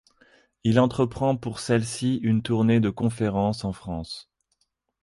Il entreprend pour celle-ci une tournée de conférences en France.